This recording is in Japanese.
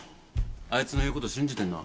あいつの言うこと信じてんの？